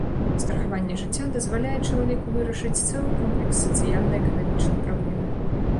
Страхаванне жыцця дазваляе чалавеку вырашыць цэлы комплекс сацыяльна-эканамічных праблем.